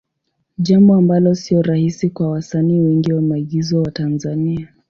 Jambo ambalo sio rahisi kwa wasanii wengi wa maigizo wa Tanzania.